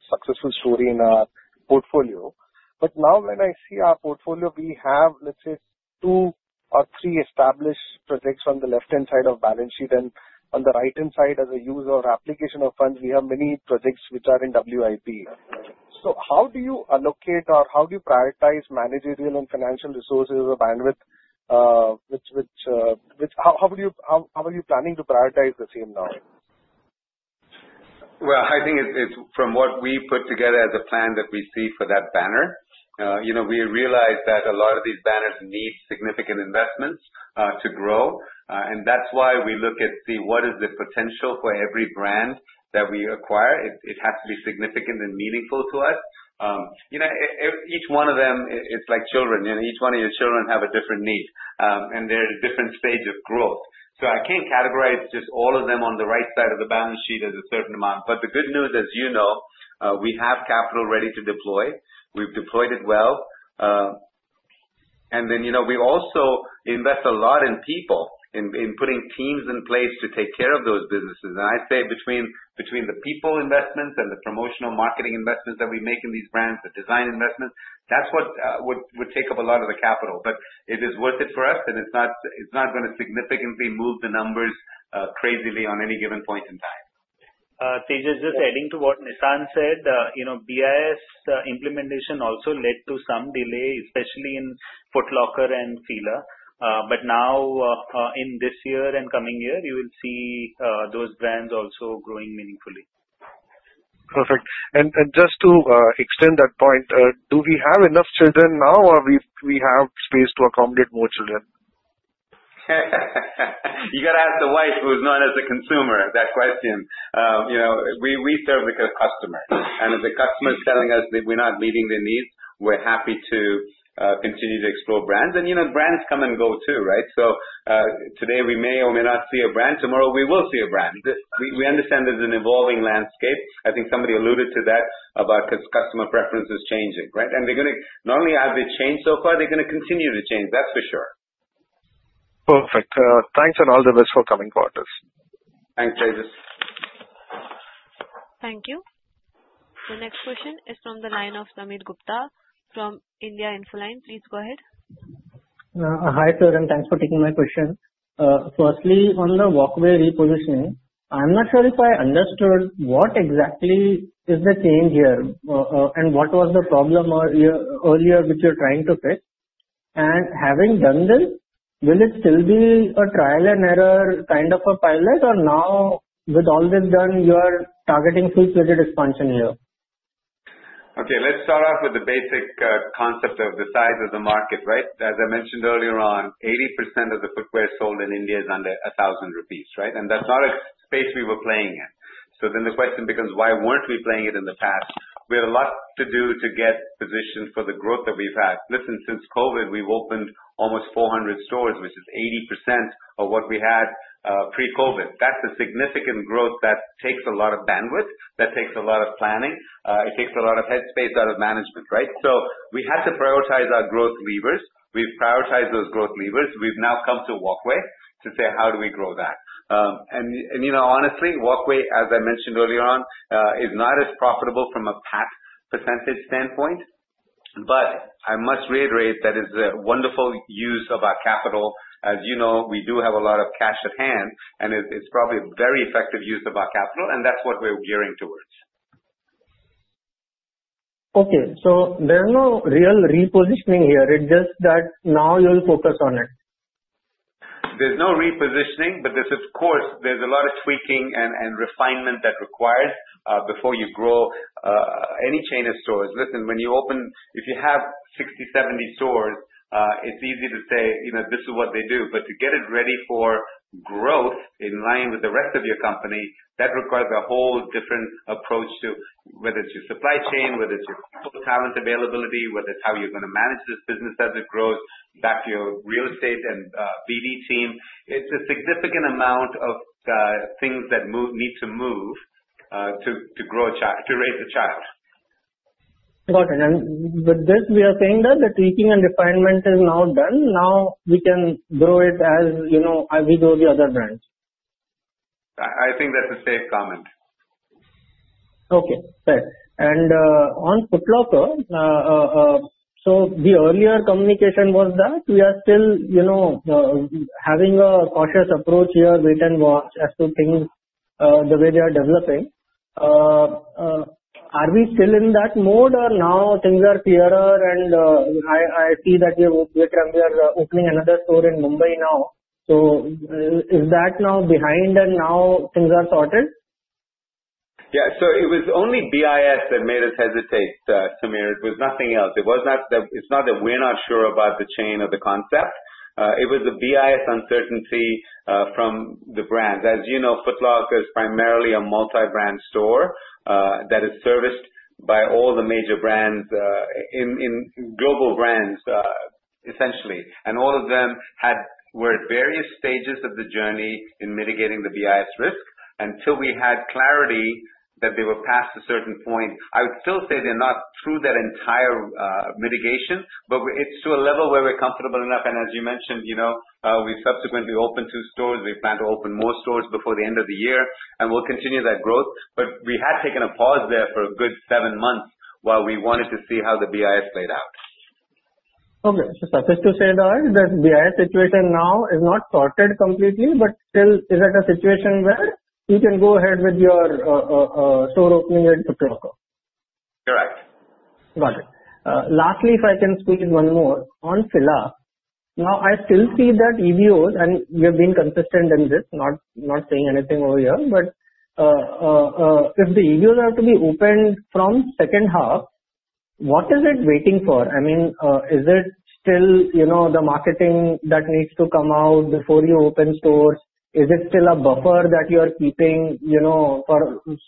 successful story in our portfolio. Now when I see our portfolio, we have, let's say, two or three established projects on the left-hand side of balance sheet, and on the right-hand side, as a use or application of funds, we have many projects which are in WIP. How do you allocate or how do you prioritize managerial and financial resources or bandwidth? How are you planning to prioritize the same now?
Well, I think it's from what we put together as a plan that we see for that banner. We realize that a lot of these banners need significant investments to grow. That's why we look at, see what is the potential for every brand that we acquire. It has to be significant and meaningful to us. Each one of them, it's like children. Each one of your children have a different need. They're at different stage of growth. I can't categorize just all of them on the right side of the balance sheet as a certain amount. The good news as you know, we have capital ready to deploy. We've deployed it well. Then we also invest a lot in people, in putting teams in place to take care of those businesses. I say between the people investments and the promotional marketing investments that we make in these brands, the design investments, that's what would take up a lot of the capital. It is worth it for us, and it's not going to significantly move the numbers crazily on any given point in time.
Tejas, just adding to what Nissan said, BIS implementation also led to some delay, especially in Foot Locker and Fila. Now, in this year and coming year, you will see those brands also growing meaningfully.
Perfect. Just to extend that point, do we have enough children now, or we have space to accommodate more children?
You got to ask the wife, who's known as a consumer, that question. We serve the customer, and if the customer is telling us that we're not meeting their needs, we're happy to continue to explore brands. Brands come and go too, right? Today we may or may not see a brand. Tomorrow we will see a brand. We understand there's an evolving landscape. I think somebody alluded to that about customer preferences changing, right? Not only have they changed so far, they're going to continue to change, that's for sure.
Perfect. Thanks, and all the best for coming quarters.
Thanks, Tejas.
Thank you. The next question is from the line of Sameer Gupta from India Infoline. Please go ahead.
Hi, sir. Thanks for taking my question. Firstly, on the Walkway repositioning, I'm not sure if I understood what exactly is the change here, and what was the problem earlier which you're trying to fix. Having done this, will it still be a trial and error kind of a pilot? Now with all this done, you are targeting full-fledged expansion here?
Let's start off with the basic concept of the size of the market, right? As I mentioned earlier on, 80% of the footwear sold in India is under 1,000 rupees, right? That's not a space we were playing in. The question becomes, why weren't we playing it in the past? We had a lot to do to get positioned for the growth that we've had. Listen, since COVID, we've opened almost 400 stores, which is 80% of what we had pre-COVID. That's a significant growth that takes a lot of bandwidth, that takes a lot of planning. It takes a lot of head space out of management, right? We had to prioritize our growth levers. We've prioritized those growth levers. We've now come to Walkway to say: how do we grow that? Honestly, Walkway, as I mentioned earlier on, is not as profitable from a PAT % standpoint, but I must reiterate that it's a wonderful use of our capital. As you know, we do have a lot of cash at hand, it's probably a very effective use of our capital, that's what we're gearing towards.
Okay. There is no real repositioning here, it's just that now you'll focus on it.
There's no repositioning, but there's of course, there's a lot of tweaking and refinement that requires, before you grow any chain of stores. Listen, when you have 60, 70 stores, it's easy to say, "This is what they do." But to get it ready for growth in line with the rest of your company, that requires a whole different approach to whether it's your supply chain, whether it's your people talent availability, whether it's how you're going to manage this business as it grows back to your real estate and BD team. It's a significant amount of things that need to move, to raise a child.
Got it. With this, we are saying that the tweaking and refinement is now done. Now we can grow it as we grow the other brands.
I think that's a safe comment.
Okay, fair. On Foot Locker, the earlier communication was that we are still having a cautious approach here, wait and watch as to things the way they are developing. Are we still in that mode or now things are clearer and I see that we are opening another store in Mumbai now. Is that now behind and now things are sorted?
Yeah, it was only BIS that made us hesitate, Sameer. It was nothing else. It's not that we're not sure about the chain or the concept. It was the BIS uncertainty from the brands. As you know, Foot Locker is primarily a multi-brand store that is serviced by all the major brands, global brands, essentially. All of them were at various stages of the journey in mitigating the BIS risk until we had clarity that they were past a certain point. I would still say they're not through that entire mitigation, but it's to a level where we're comfortable enough, and as you mentioned, we've subsequently opened two stores. We plan to open more stores before the end of the year, and we'll continue that growth. We had taken a pause there for a good seven months while we wanted to see how the BIS played out.
Okay. Suffice to say that the BIS situation now is not sorted completely, but still is at a situation where you can go ahead with your store opening at Foot Locker.
Correct.
Got it. Lastly, if I can squeeze in one more on Fila. I still see that EBOs, we have been consistent in this, not saying anything over here, if the EBOs are to be opened from second half, what is it waiting for? Is it still the marketing that needs to come out before you open stores? Is it still a buffer that you are keeping for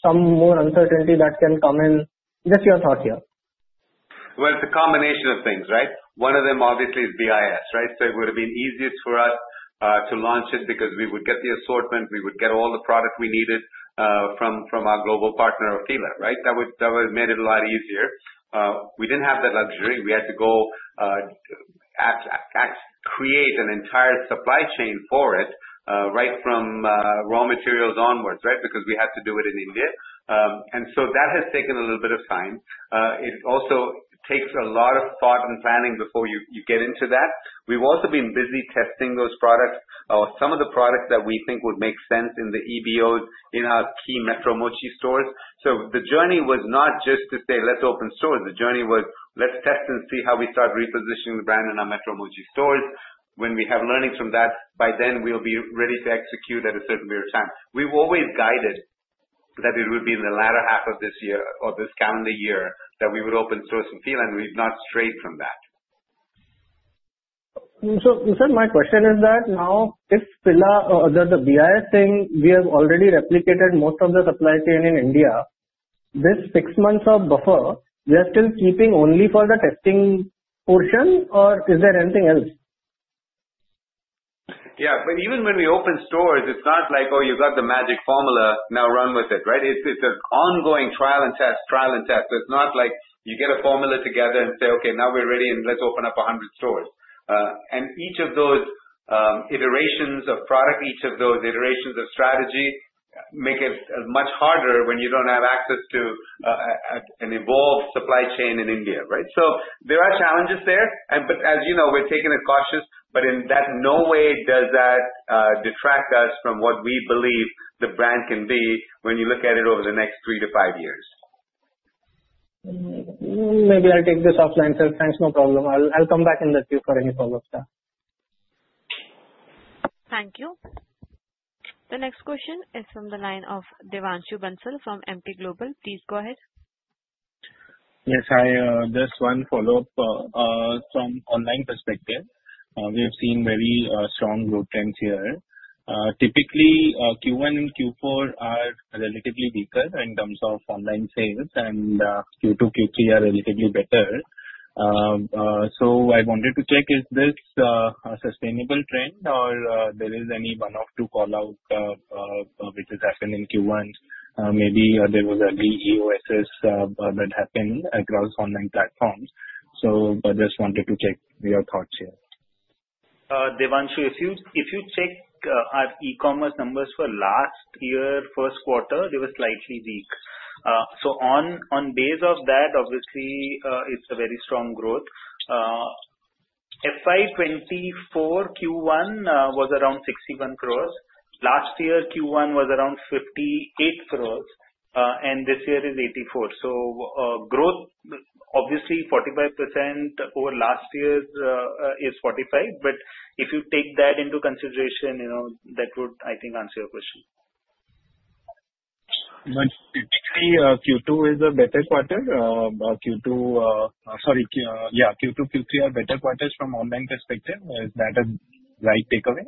some more uncertainty that can come in? Just your thought here.
It's a combination of things, right? One of them obviously is BIS, right? It would've been easiest for us to launch it because we would get the assortment, we would get all the product we needed from our global partner of Fila, right? That would've made it a lot easier. We didn't have that luxury. We had to go create an entire supply chain for it, right from raw materials onwards, right? Because we had to do it in India. That has taken a little bit of time. It also takes a lot of thought and planning before you get into that. We've also been busy testing those products or some of the products that we think would make sense in the EBOs in our key Metro Mochi stores. The journey was not just to say, "Let's open stores." The journey was, "Let's test and see how we start repositioning the brand in our Metro Mochi stores." When we have learnings from that, by then we'll be ready to execute at a certain period of time. We've always guided that it would be in the latter half of this year or this calendar year that we would open stores in Fila. We've not strayed from that.
Sir, my question is that now if Fila or the BIS thing, we have already replicated most of the supply chain in India. This six months of buffer, we are still keeping only for the testing portion or is there anything else?
Even when we open stores, it's not like, oh, you got the magic formula, now run with it, right? It's an ongoing trial and test, trial and test. It's not like you get a formula together and say, "Okay, now we're ready and let's open up 100 stores." Each of those iterations of product, each of those iterations of strategy
Make it much harder when you don't have access to an evolved supply chain in India, right? There are challenges there, and as you know, we're taking a cautious, but in that, no way does that detract us from what we believe the brand can be when you look at it over the next three to five years.
Maybe I'll take this offline, sir. Thanks. No problem. I'll come back in the queue for any follow-ups.
Thank you. The next question is from the line of Devanshu Bansal from Emkay Global. Please go ahead.
Yes, hi. Just one follow-up. From online perspective, we have seen very strong growth trends here. Typically, Q1 and Q4 are relatively weaker in terms of online sales and Q2, Q3 are relatively better. I wanted to check, is this a sustainable trend or there is any one-off to call out which has happened in Q1? Maybe there was a big EOSS that happened across online platforms. I just wanted to check your thoughts here.
Devanshu, if you check our e-commerce numbers for last year first quarter, they were slightly weak. On base of that, obviously, it's a very strong growth. FY 2024 Q1 was around 61 crores. Last year, Q1 was around 58 crores, and this year is 84 crores. Growth, obviously 45% over last year's is 45%, but if you take that into consideration, that would, I think, answer your question.
Typically, Q2 is a better quarter. Sorry, yeah, Q2, Q3 are better quarters from online perspective. Is that a right takeaway?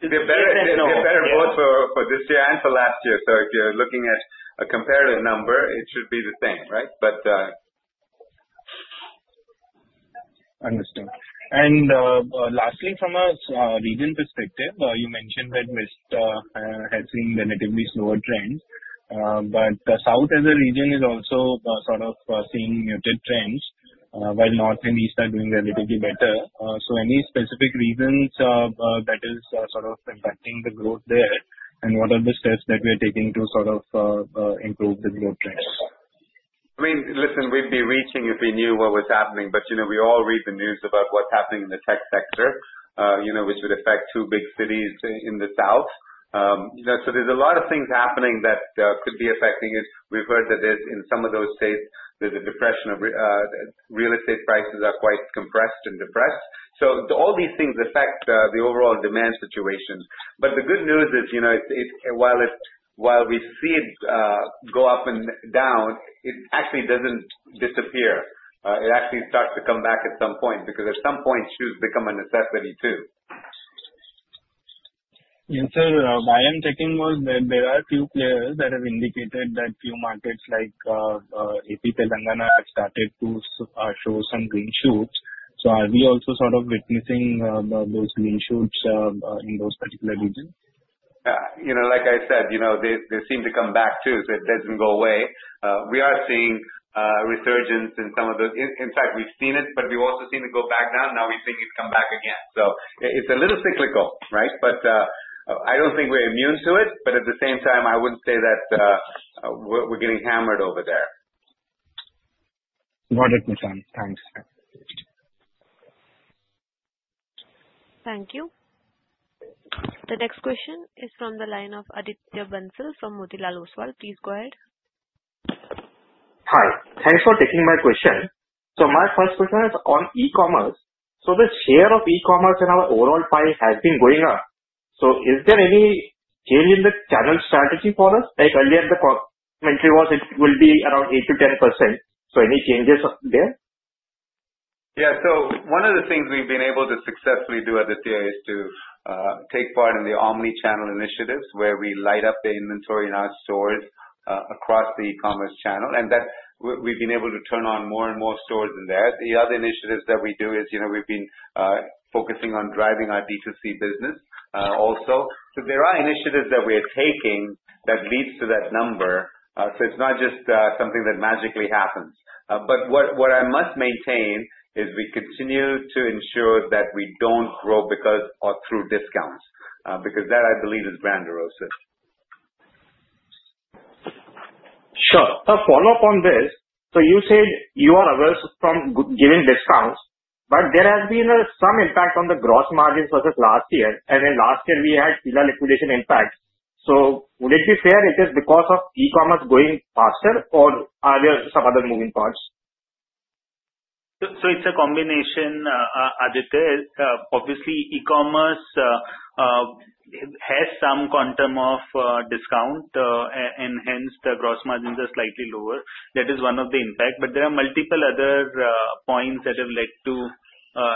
They're better both for this year and for last year. If you're looking at a comparative number, it should be the same, right?
Understood. Lastly, from a region perspective, you mentioned that West has seen relatively slower trends, but the South as a region is also sort of seeing muted trends, while North and East are doing relatively better. Any specific reasons that is sort of impacting the growth there, and what are the steps that we are taking to sort of improve the growth trends?
I mean, listen, we'd be reaching if we knew what was happening, but we all read the news about what's happening in the tech sector which would affect two big cities in the South. There's a lot of things happening that could be affecting it. We've heard that in some of those states, there's a depression of real estate prices are quite compressed and depressed. All these things affect the overall demand situation. The good news is, while we see it go up and down, it actually doesn't disappear. It actually starts to come back at some point, because at some point, shoes become a necessity, too.
And sir, why I'm checking was that there are few players that have indicated that few markets like AP, Telangana have started to show some green shoots. Are we also sort of witnessing those green shoots in those particular regions?
Like I said, they seem to come back, too, so it doesn't go away. We are seeing a resurgence in some of the In fact, we've seen it, but we've also seen it go back down. We think it's come back again. It's a little cyclical, right? I don't think we're immune to it. At the same time, I wouldn't say that we're getting hammered over there.
Noted. Thanks.
Thank you. The next question is from the line of Aditya Bansal from Motilal Oswal. Please go ahead.
Hi. Thanks for taking my question. My first question is on e-commerce. The share of e-commerce in our overall pie has been going up. Is there any change in the channel strategy for us? Like earlier, the commentary was it will be around 8%-10%. Any changes there?
One of the things we've been able to successfully do, Aditya, is to take part in the omni-channel initiatives where we light up the inventory in our stores across the e-commerce channel, and that we've been able to turn on more and more stores in there. The other initiatives that we do is, we've been focusing on driving our B2C business also. There are initiatives that we are taking that leads to that number. It's not just something that magically happens. What I must maintain is we continue to ensure that we don't grow because or through discounts, because that, I believe, is brand erosion.
Sure. A follow-up on this. You said you are averse from giving discounts, there has been some impact on the gross margins versus last year, and in last year we had Fila liquidation impact. Would it be fair it is because of e-commerce growing faster or are there some other moving parts?
It's a combination, Aditya. Obviously, e-commerce has some quantum of discount, and hence the gross margins are slightly lower. That is one of the impact, but there are multiple other points that have led to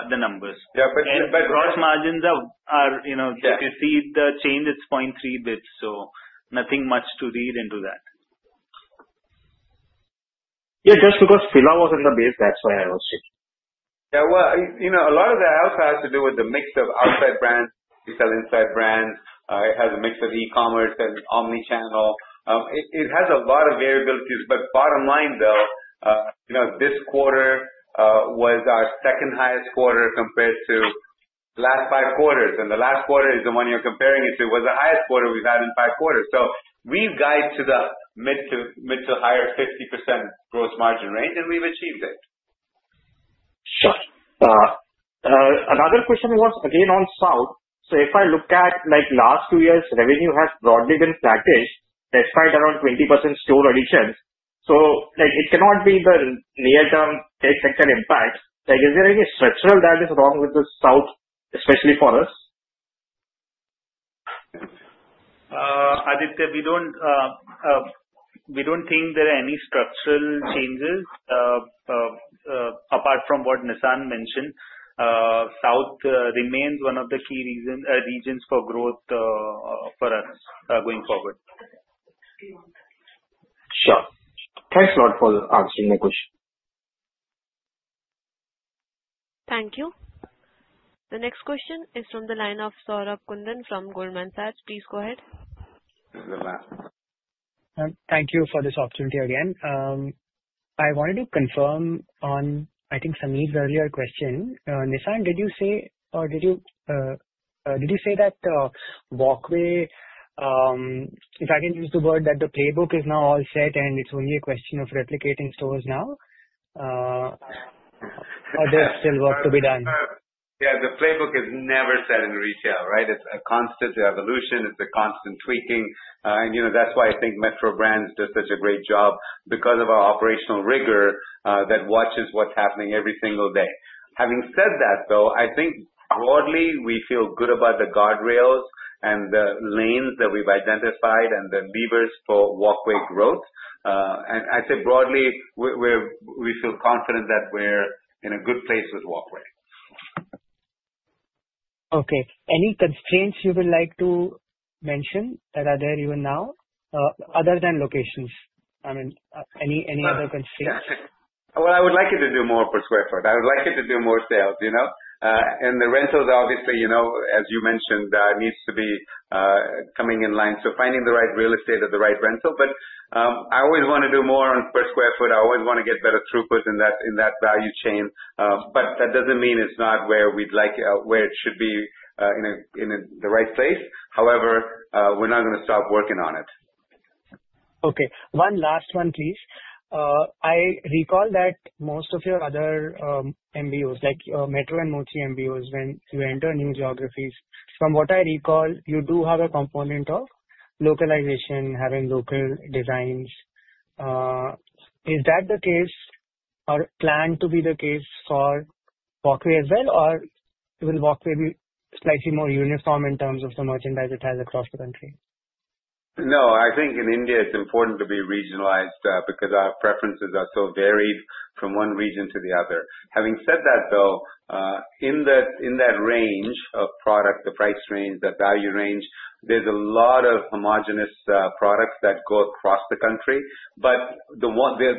the numbers.
Yeah.
Gross margins.
Yeah
If you see the change, it's 0.3 basis, so nothing much to read into that.
Yeah, just because Fila was in the base, that's why I was checking.
Yeah, well, a lot of that also has to do with the mix of outside brands. We sell inside brands. It has a mix of e-commerce and omni-channel. It has a lot of variabilities, but bottom line, though, this quarter was our second highest quarter compared to
Last five quarters, the last quarter is the one you're comparing it to was the highest quarter we've had in five quarters. We've guided to the mid to higher 50% gross margin range, and we've achieved it.
Sure. Another question was again on South. If I look at last two years, revenue has broadly been flattish despite around 20% store additions. It cannot be the near-term tech sector impact. Is there any structural that is wrong with the South, especially for us?
Aditya, we don't think there are any structural changes apart from what Nissan mentioned. South remains one of the key regions for growth for us going forward.
Sure. Thanks a lot for answering my question.
Thank you. The next question is from the line of Saurabh Kundu from Goldman Sachs. Please go ahead.
Saurabh.
Thank you for this opportunity again. I wanted to confirm on, I think Sameer's earlier question. Nissan, did you say that Walkway, if I can use the word that the playbook is now all set and it's only a question of replicating stores now? Or there's still work to be done?
The playbook is never set in retail, right? It's a constant evolution. It's a constant tweaking. That's why I think Metro Brands does such a great job because of our operational rigor that watches what's happening every single day. Having said that though, I think broadly, we feel good about the guardrails and the lanes that we've identified and the levers for Walkway growth. I'd say broadly, we feel confident that we're in a good place with Walkway.
Okay. Any constraints you would like to mention that are there even now, other than locations? Any other constraints?
Well, I would like it to do more per square foot. I would like it to do more sales. The rentals, obviously, as you mentioned, needs to be coming in line. Finding the right real estate at the right rental. I always want to do more on per square foot. I always want to get better throughput in that value chain. That doesn't mean it's not where it should be in the right place. However, we're not gonna stop working on it.
Okay. One last one, please. I recall that most of your other MBOs, like your Metro and Mochi MBOs, when you enter new geographies, from what I recall, you do have a component of localization, having local designs. Is that the case or planned to be the case for Walkway as well, or will Walkway be slightly more uniform in terms of the merchandise it has across the country?
No, I think in India it's important to be regionalized because our preferences are so varied from one region to the other. Having said that though, in that range of product, the price range, the value range, there's a lot of homogenous products that go across the country. The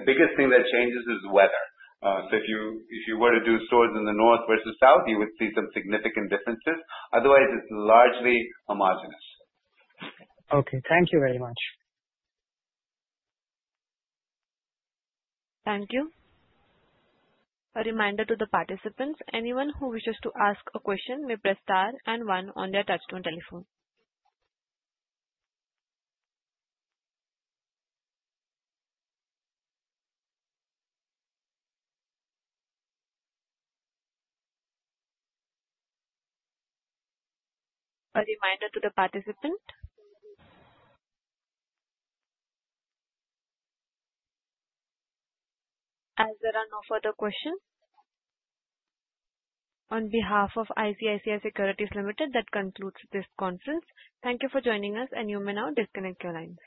biggest thing that changes is weather. If you were to do stores in the north versus south, you would see some significant differences. Otherwise, it's largely homogenous.
Okay. Thank you very much.
Thank you. A reminder to the participants, anyone who wishes to ask a question may press star and one on their touchtone telephone. A reminder to the participant. As there are no further questions, on behalf of ICICI Securities Limited, that concludes this conference. Thank you for joining us, and you may now disconnect your lines.